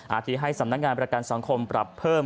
ที่ให้สำนักงานประกันสังคมปรับเพิ่ม